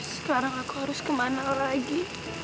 sekarang aku harus kemana lagi